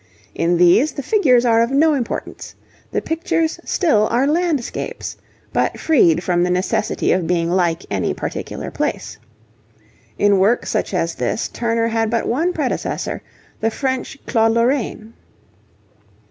In these the figures are of no importance. The pictures still are landscapes, but freed from the necessity of being like any particular place. In work such as this, Turner had but one predecessor, the French Claude Lorraine.